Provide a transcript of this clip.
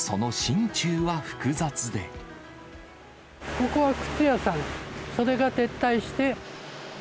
ここは靴屋さん、それが撤退して。